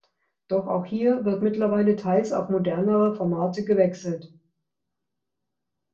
Doch auch hier wird mittlerweile teils auf modernere Formate gewechselt.